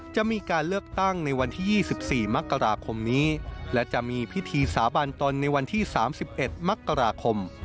จะมีการเลือกตั้งในวันที่๒๔มกราคมนี้และจะมีพิธีสาบานตนในวันที่๓๑มกราคม